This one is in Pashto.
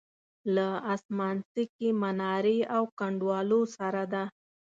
له اسمانڅکې منارې او کنډوالو سره ده.